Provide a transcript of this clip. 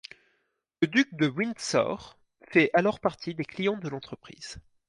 Le duc de Windsor fait alors partie des clients de l'entreprise.